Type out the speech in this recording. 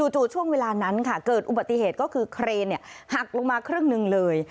จู่ช่วงเวลานั้นค่ะเกิดอุบัติเหตุก็คือเครนหักลงมาครึ่งหนึ่งเลย